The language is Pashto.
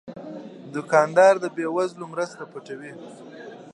دوکاندار د بې وزلو مرسته پټوي.